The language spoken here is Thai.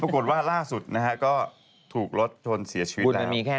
ปรากฏว่าล่าสุดนะฮะก็ถูกรถชนเสียชีวิตแล้ว